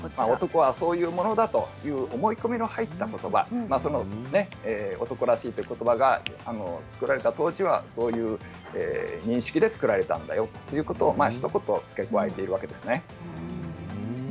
男はそういうものだという思い込みが入ったことば男らしいということばが作られた当時はそういう認識で作られたんだよということをひと言付け加えているわけですね。